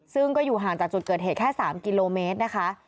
ซึ่งก็อยู่ห่างจากจุดเกิดเหตุแค่๓กิโลเมตรนะคะ